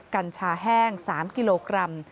กัญชาแห้ง๓กิโลกรัม